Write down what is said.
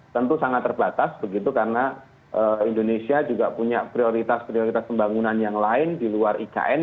tentu sangat terbatas begitu karena indonesia juga punya prioritas prioritas pembangunan yang lain di luar ikn